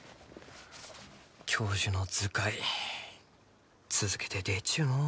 教授の「図解」続けて出ちゅうのう。